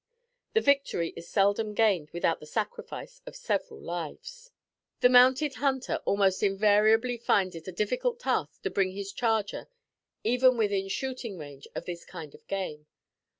The victory is seldom gained without the sacrifice of several lives. The mounted hunter almost invariably finds it a difficult task to bring his charger even within shooting range of this kind of game.